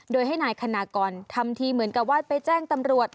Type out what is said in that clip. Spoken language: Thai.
โดยให้นายคณากรทำทีเหมือนกับว่าไปแจ้งตำรวจ